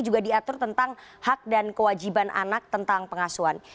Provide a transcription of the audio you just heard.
juga diatur tentang hak dan kewajiban anak tentang pengasuhan